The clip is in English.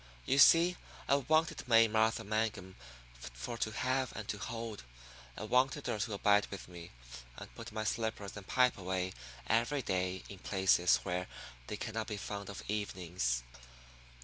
You see, I wanted May Martha Mangum for to have and to hold. I wanted her to abide with me, and put my slippers and pipe away every day in places where they cannot be found of evenings.